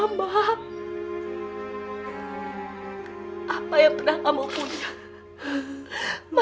kamu dilahirkan cuman untuk menanggung penderitaan mama